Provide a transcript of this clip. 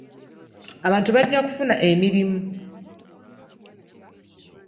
Abantu bajja kufuna emirimu.